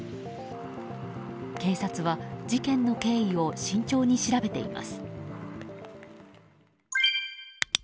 警察は、事件の経緯を慎重に調べています。